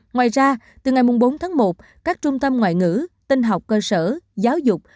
ngoài ra từ ngày bốn tháng một các trung tâm ngoại ngữ tinh học cơ sở giáo dục